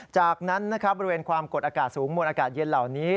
จากนั้นนะครับบริเวณความกดอากาศสูงมวลอากาศเย็นเหล่านี้